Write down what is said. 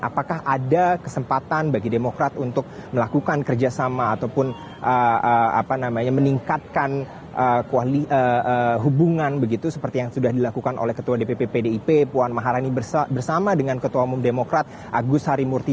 apakah ada kesempatan bagi demokrat untuk melakukan kerjasama ataupun meningkatkan hubungan begitu seperti yang sudah dilakukan oleh ketua dpp pdip puan maharani bersama dengan ketua umum demokrat agus harimurti